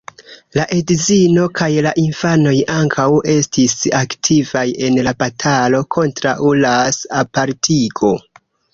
La edzino kaj la infanoj ankaŭ estis aktivaj en la batalo kontraŭ ras-apartigo.